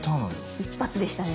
一発でしたね。